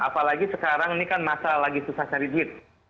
apalagi sekarang ini kan masa lagi susah cari duit